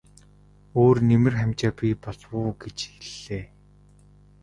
Өөр нэмэр хамжаа бий болов уу гэж хэллээ.